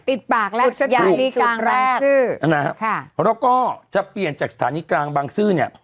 ติดปากแรกอย่างนี้กลางบางซื่อแล้วก็จะเปลี่ยนจากสถานีกลางบางซื่อเนี่ย